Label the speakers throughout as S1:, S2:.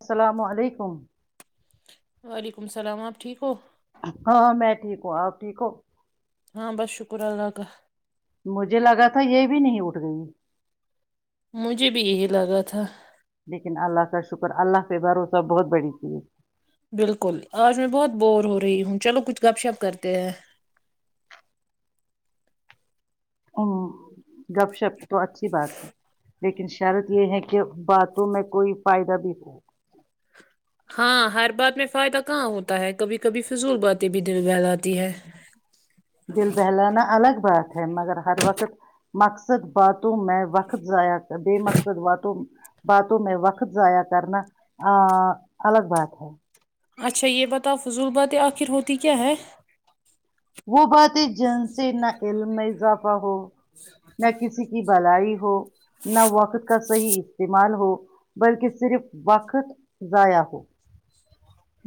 S1: السلام علیکم
S2: وعلیکم السلام آپ ٹھیک ہو
S1: ہاں میں ٹھیک ہوں آپ ٹھیک ہو
S2: ہاں بس شکر اللہ کاا
S1: مجھے لگا تھا یہ بھی نہیں اٹھ گئی
S2: مجھے بھی یہی لگا تھا
S1: لیکن اللہ کا شکر اللہ سے بھروسہ بہت بڑی تھیے
S2: بالکل آج میں بہت بور ہو رہی ہوں چلو کچھ گپ شپ کرتے ہیں
S1: گپ شپ تو اچھی بات ہے لیکن شرت یہ ہے کہ باتوں میں کوئی فائدہ بھی ہو
S2: ہاں ہر بات میں فائدہ کہاں ہوتا ہے کبھی کبھی فضول باتیں بھی دل بہلاتی ہے
S1: دل بہلانا الگ بات ہیں مگر ہر وقت مقصد باتوں میں وقت ضائع بب مقصد وات باتوں میں وقت ضائع کرنا الگ بات ہے
S2: اچھا یہ بتاؤ فضول باتیں آخر ہوتی کیا ہے
S1: وہ بات ہے جن سے نہ علم میں اضافہ ہو نہ کسی
S2: اچھ [inaudible]
S1: کی بالائی ہو نہ وقت کا صحیح استعمال ہو بلکہ صرف وقت ضائع ہو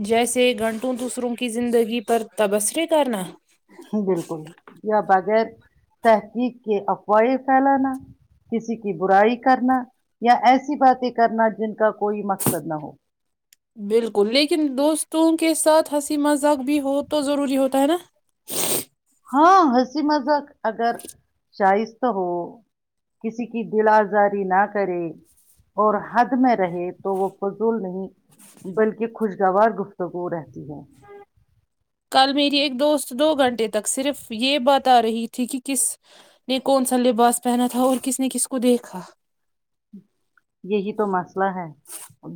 S2: جیسے گھنٹوں دوسروں کی زندگی پر تبصرے کرنا
S1: بالکل یا بغیر تحقیق کے افواہیں پھیلانا کسی کی برائی کرنا یا ایسی باتیں کرنا جن کا کوئی مقصد نہ ہو
S2: بالکل لیکن دوستوں کے ساتھ ہنسی مذاق بھی ہو تو ضروری ہوتا ہے نا
S1: ہاں ہنسی مذہق اگر شائستہ ہو کسی کی دل آزاری نہ کرے اور حد میں رہے تو وہ فضول نہیں بلکہ خوشگوار گفتگو رہتی ہے
S2: کل میری ایک دوست دو گھنٹے تک صرف یہ بات آ رہی تھی کہ کس نے کون سا لباس پہنا تھا اور کس نے کس کو دیکھا
S1: یہی تو مسئلہ ہے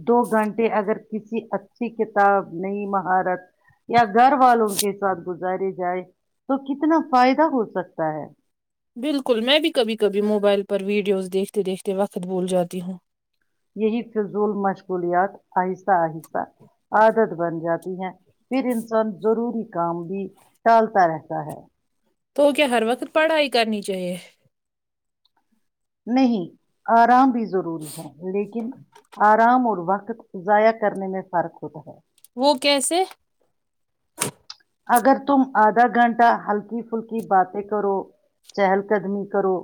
S1: دو گھنٹے اگر کسی اچھی کتاب نئی مہارت یا گھر والوں کے ساتھ گ گزارے جائے تو کتنا فائدہ ہو سکتا ہے
S2: بالکل میں بھی کبھی کبھی موبائل پر ویڈیوز دیکھتے دیکھتے وقت بھول جاتی ہوں
S1: یہی فضول مشغولیات آہستہ آہستہ عادت بن جاتی ہیں پھر انسان ضروری کام بھی ٹالتا رہتا ہے
S2: تو کیا ہر وقت پڑھائی کرنی چاہیے
S1: نہیں آرام بھی ضروری ہے لیکن آرام اور وقت ضائع کرنے میں فرق ہوتا ہے
S2: وہ کیسے
S1: اگر تم آدھا گھنٹہ ہلکی پھلکی باتیں کرو چہل قدمی کرو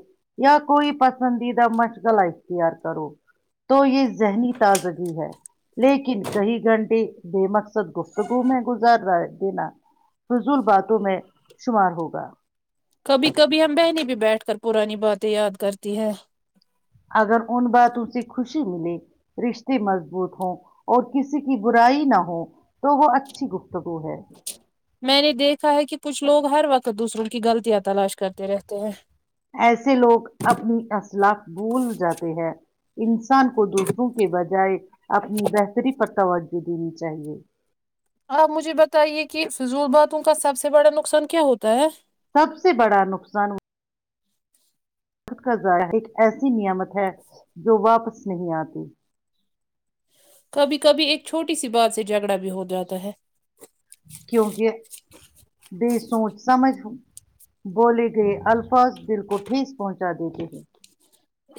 S1: یا کوئی پسندیدہ مشغلہ اختیار کرو تو یہ ذہنی تازگی ہے لیکن کئی گھنٹے بے مقصد گفتگو میں گزارنا یہ فضول باتوں میں شمار ہوگا
S2: کبھی کبھی ہم بہنیں بھی بیٹھ کر پرانی باتیں یاد کرتی ہے
S1: اگر ان باتوں سے خوشی ملے رشتے مضبوط ہوں اور کسی کی برائی نہ ہو تو وہ اچھی گفتگو ہے
S2: میں نے دیکھا ہے کہ کچھ لوگ ہر وقت دوسروں کی غلطیاں تلاش کرتے رہتے ہیں
S1: ایسے لوگ اپنی اصلاق بھول جاتے ہیں انسان کو دوسروں کے بجائے اپنی بہتری پر توجہ دینی چاہیے
S2: آپ مجھے بتائیے کہ فضول باتوں کا سب سے بڑا نقصان کیا ہوتا ہے
S1: سب سے بڑا نقصان وقت کا ضائع ایک ایسی نعمت ہے جو واپس نہیں آتی
S2: کبھی کبھی ایک چھوٹی سی بات سے جھگڑا بھی ہو جاتا ہے
S1: کیونکہ دیش سوچ سمجھ بولے گئے الفاظ دل کو ٹھیس پہنچا دیتے ہیں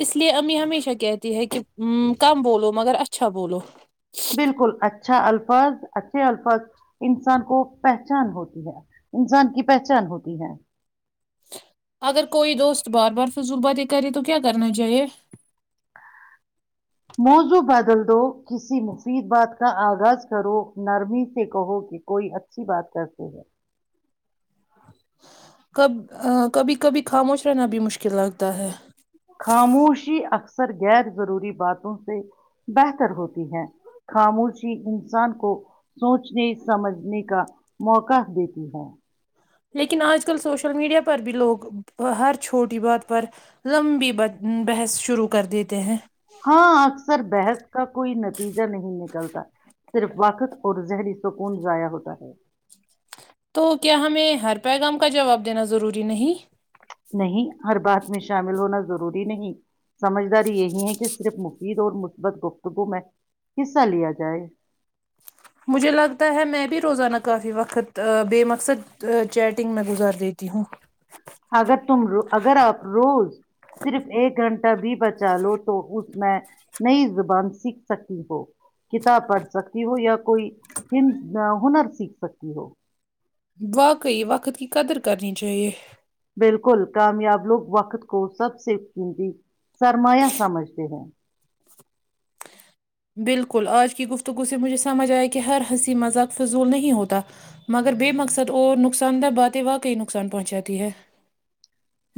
S2: اس لیے امی ہمیشہ کہتی ہے کہ ہاں کم بولو مگر اچھا بولو
S1: بالکل اچھا الفاظ اچھے الفاظ انسان کو پہچان ہوتی ہے انسان کی پہچان ہوتی ہے
S2: اگر کوئی دوست بار بار فضول باتیں کرے تو کیا کرنا چاہیے
S1: موضو بدل دو کسی مفید بات کا آغاز کرو نرمی سے کہو کہ کوئی اچھی بات کرتے ہیں
S2: کب کبھی کبھی خاموش رہنا بھی مشکل لگتا ہے
S1: خاموشی اکثر اکثر غیر ضروری باتوں سے بہتر ہوتی ہے خاموش انسان کو سوچنے سمجھنے کا موقع دیتی ہے
S2: لیکن آج کل سوشل میڈیا پر بھی لوگ ہر چھوٹی بات پر لمبی بحث شروع کر دیتے ہیں
S1: ہاں اکثر بحث کا کوئی نتیجہ نہیں نکلتا صرف وقت اور ذہنی سکون ضائع ہوتا ہے
S2: تو کیا ہمیں ہر پیغام کا جواب دینا ضروری نہیں
S1: نہیں ہر بات میں شامل ہونا ضروری نہیں سمجھداری یہی ہے کہ صرف مفید اور مثبت گفتگو میں حصہ لیا جائے
S2: مجھے لگتا ہے میں بھی روزانہ کافی وقت بے مقصد چیٹنگ میں گزار دیتی ہوں
S1: اگر تم اگر آپ روز صرف ایک گھنٹہ بھی بچا لو تو اس میں نئی زبان سیکھ سکتی ہو کتاب پڑھ سکتی ہو یا کوئی ہ ہنر سیکھ سکتی ہو
S2: واقعی وقت کی قدر کرنی چاہیے
S1: بالکل کامیاب لوگ وقت کو سب سےفکی سرمایا سمجتے ہیں
S2: بالکل آج کی گفتگو سے مجھے سمجھ آیا کہ ہر ہنسی مذاق فضول نہیں ہوتا مگر بے مقصد اور نقصان دہ باتیں واقعی نقصان پہنچاتی ہیں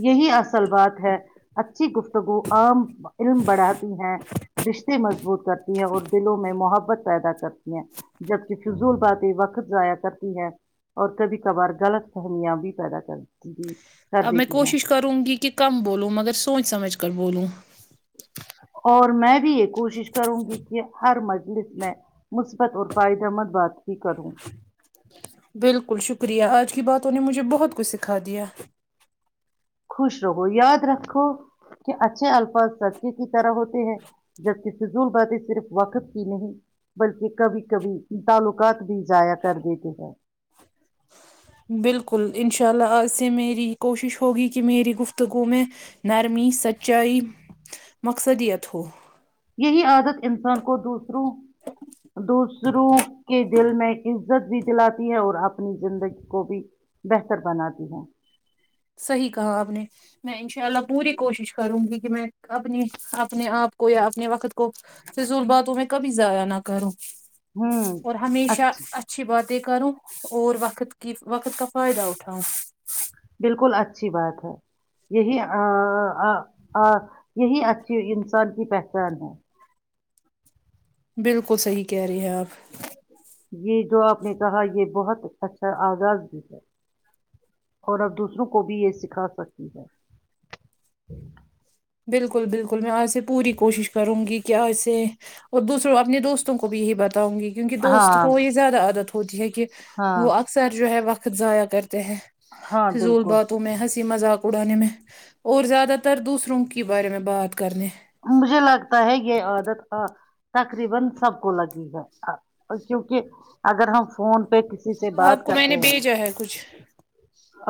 S1: یہی اصل بات ہے اچھی گفت تگو عام علم بڑھاتی ہیں رشتے مضبوط کرتی ہیں اور دلوں میں محبت پیدا کرتی ہیں جبکہ فضول باتیں وقت ضائع کرتی ہیں اور کبھی کبھار غلط فہمیاں بھی پیدا کرتی
S2: اب
S1: سردی
S2: میں کوشش کروں گی کہ کم بولو مگر سوچ سمجھ آج کل بولوں
S1: اور میں بھی ایک کوشش کروں گی کہ ہر مرض لس میں مثبت اور فائد امد بات بھی کروں
S2: بالکل شکریہ آج کی بہت تو نے مجھے بہت کچھ سکھا دیا
S1: خوش رہو یاد رکھو کہ اچھے الفاظ سڑکے کی طرح ہوتے ہیں جبکہ فضول باتیں صرف وقت کی نہیں بلکہ کبھی کبھی تعلقات بھی ضائع کر دیتے ہیں
S2: بالکل انشاء اللہ آج سے میری کوشش ہوگی کہ میری گفتگو میں نرمی سچائی مقصدیت ہو
S1: یہی عادت انسان کو دوسروں دوسروں کے دل میں عزت بھی دلاتی ہے اور اپنی زندگی کو بھی بہتر بناتی ہے
S2: صحی کہا آپ نے میں انشاء اللہ پوری کوشش کروں گی کہ میں اپنی اپنے آپ کو یا اپنے وقت کو فضول باتوں میں کبھی ضائع نہ کروں
S1: ہوں
S2: اور ہمیشہ
S1: اچھا
S2: اچھی بات تے کرو اور وقت کی وقت کا فائدہ اٹھاؤں
S1: بالکل اچھی بات ہے یہی یہی اچھی انسان کی پہچان ہے
S2: بالکل صحیح کہہ رہے ہیں آپ
S1: یہ جو آپ نے کہا یہ بہت اچھا آغاز بھی ہے اور اب دوسروں کو بھی یہ سکھا سکتی ہے
S2: بالکل بالکل میں آج میں پوری کوشش کروں گی کیا وسے اور دوسروں اپنے دوستوں کو بھی یہی بات ہوں گی کیونکہ دوست
S1: ہاں
S2: کو یہ زیادہ عادت پجی کہ
S1: ہاں
S2: وہ اکثر جو ہے وقت تضاع کر ہیں
S1: ہاں
S2: فضول
S1: بالکل
S2: باتوں میں ہنس مذاق اڑانے میں اور زیادہ تر دوسروں کے کے بارے میں بات کرنے
S1: مجھے لگتا ہے کہ عورت تقریبا سب کو لگے گا کیونکہ اگر ہم پہ کسی سے بات
S2: آپ کو میں
S1: کرتے
S2: نے
S1: ہیں
S2: بھیجا ہے کچھ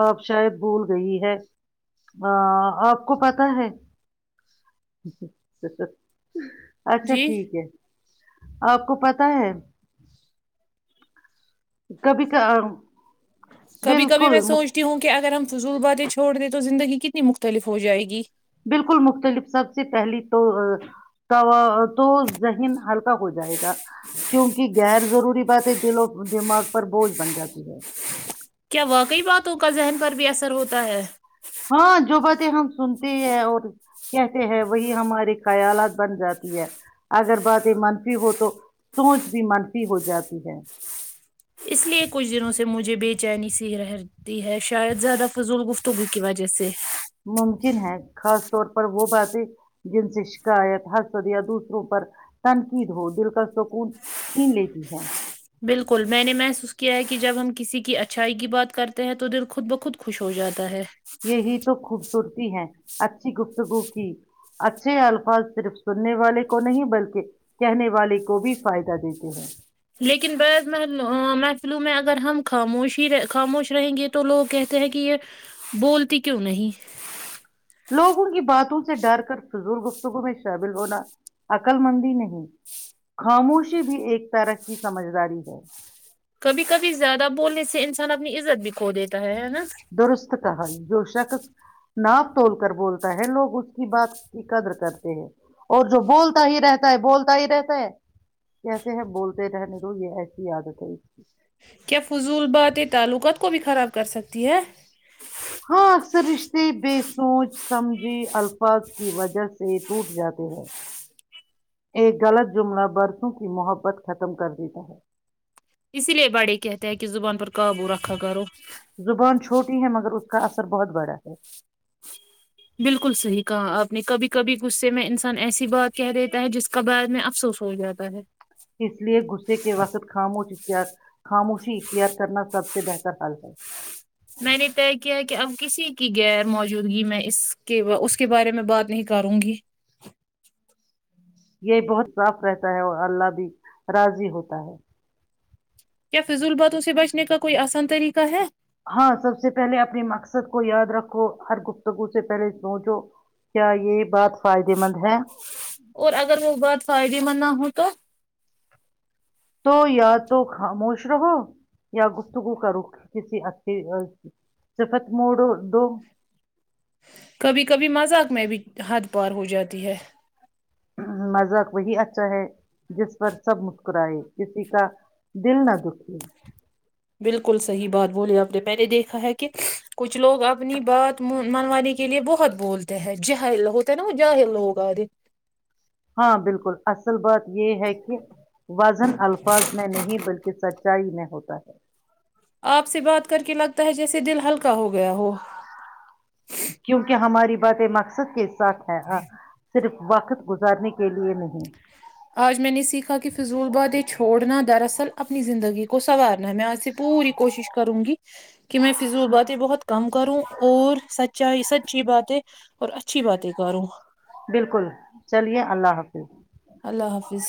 S1: آپ شاید بھول گئی ہے آپ کو پتا ہے اچ س تو اچھا
S2: جی
S1: ٹھیک ہے آپ کو پتا ہے کبھی کا
S2: کبھی کبھی میں سوچتی ہوں کہ اگر ہم فضول باتیں چھوڑ دے تو زندگی کتنی مختلف ہو جائے گی
S1: بالکل مختلف سب سے پہلی تو تو تو ذہن ہلکا ہو جائے گا کیونکہ غیر ضروری باتیں دلوں دماغ پر بوجھ بن جاتی ہے
S2: کیا وا کئی باتوں کا ذہن پر بھی اثر ہوتا ہے
S1: ہاں جو باتیں ہم سنتے ہیں اور کہتے ہیں وہی ہمارے خیالات بن جاتی ہے اگر باتیں منفی ہو تو سوچ بھی منفی ہو جاتی ہے
S2: اس لیے کچھ دنوں سے مجھے بے چینی سی رہتی ہے شاید زیادہ فضول گفتگو کی وجہ سے
S1: ممکن ہے خاص طور پر وہ باتیں جن سے شکایت حسد یا دوسروں پر تنقید ہو دل کا سکون چھین لیتی ہے
S2: بالکل میں نے محسوس کیا ہے کہ جب ہم کسی کی اچھائی کی بات کرتے ہیں تو دل خود بخود خوش ہو جاتا ہے
S1: یہی تو خوب سرتی ہیں اچھی گفتگو کی اچھے الفاظ صرف سننے والے کو نہیں بلکہ کہنے والے کو بھی فائدہ دیتے ہیں
S2: لیکن بعض مح محفلو میں اگر ہم خاموش ہی خاموش رہیں گے تو لوگ کہتے ہیں کہ یہ بولتی کیوں نہیں
S1: لوگوں کی باتوں سے ڈر کر فضول گفتگو میں شامل ہونا عقل مندی نہیں خاموشی بھی ایک طرح کی سمجھداری ہے
S2: کبھی کبھی زیادہ بولنے سے انسان اپنی عزت بھی کھ دیتا ہے ہے نا
S1: درست کہا جو شخص ناپ توول کر بولتا ہے لوگ اس کی بات کی قدر کرتے ہیں اور جو بولتا ہی رہتا ہے بولتا ہی رہتا ہے کہتے ہیں بولتے رہنے دو یہ ایسی عادت ہے اس کی
S2: کیا فضول بات یہ تعلقات کو بھی خراب کر سکتی ہے
S1: ہاں اکثر رشتے بے سوچ سمجھی الفاظ کی وجہ سے ٹوٹ جاتے ہیں ایک غلط جملہ برسوں کی محبت ختم کر دیتا ہے
S2: اسی لیے بڑے کہتے ہیں کہ زبان پر قابو رکھا کرو
S1: زبان چھوٹی ہے مگر اس کا اثر بہت بڑا ہے
S2: بالکل صحیح کہا آپ نے کبھی کبھی غصے میں انسان ایسی بات کہہ دیتا ہے جس کا بعد میں افسوس ہو جاتا ہے
S1: اس لیے غصے کے وقت خاموش ا کیا خاموشی اخ کیئت کرنا سب سے بہتر حل ہے
S2: میں نے طے کیا کہ اب کسی کی غیر موجودگی میں اس کے اس کے بارے میں بات نہیں کروں گی
S1: یہ بہت صاف رہتا ہے اور اللہ بھی راضی ہوتا ہے
S2: کف فضل باتوں سے بچنے کا کوئی آسان طریقہ ہے
S1: ہاں سب سے پہلے اپنے مقصد کو یاد رکھو ہر گفتگو سے پہلے سوچو کیا یہ بات فائدے مند ہے
S2: اور اگر وہ بہت فائدے مند نہ ہو تو
S1: تو یا تو خاموش رہو یا گفتگو کرو کسی اھی صفت موڑ دو
S2: کبھی کبھی مذاق میں بھی حد پار ہو جاتی ہے
S1: مذاق وہی اچھا ہے جس پر سب مسکرائے کسی کا دل نہ دکھیے
S2: بالکل صحیح بات بولی آپ نے میں نے دیکھا ہے کہ کچھ لوگ اپنی بات منوانے کے لے بہت بولتے ہیں جر ہوتا ہے نا وہ جاہر لوگ آدے
S1: ہاں بالکل اصل بات یہ ہے کہ وزن الفاظ میں نہیں بلکہ سچ اچائی میں ہوتا ہے
S2: آپ سے بات کر کے لگتا ہے جیسے دل ہلکا پکا ہو گیا وہ
S1: کیونکہ ہماری مقصد کےس سکھ ہے ہاں صرف وقت گزارنے کے لیے نہیں
S2: آج میں نے سیکھا کہ فضول باد یہ چھوڑنا دراصل اپنی زندگی کو سنوارنا ہے میں آج سے پوری کوشش کروں گی کہ میں فضول باتیں بہت کم کروں اور سچائی سچی باتیں اور اچھی باتیں کروں
S1: بالکل چلیے اللہ حافظ
S2: اللہ حافظ